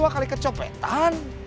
dua kali ke copetan